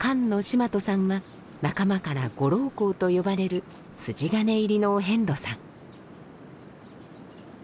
眞討さんは仲間から「ご老公」と呼ばれる筋金入りのお遍路さん。